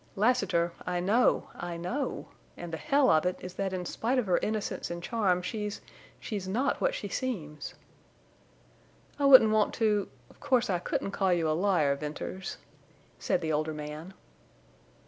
"Lassiter, I know, I know. And the hell of it is that in spite of her innocence and charm she's—she's not what she seems!" "I wouldn't want to—of course, I couldn't call you a liar, Venters," said the older man.